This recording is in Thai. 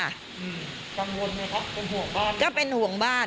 กังวลไหมครับเป็นห่วงบ้าน